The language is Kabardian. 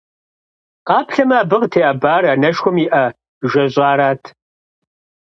Къаплъэмэ, абы къытеӏэбар анэшхуэм и Ӏэ жэщӀарат.